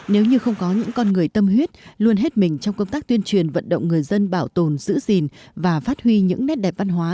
nếu như không có những con người tâm huyết luôn hết mình trong công tác tuyên truyền vận động người dân bảo tồn giữ gìn và phát huy những nét đẹp văn hóa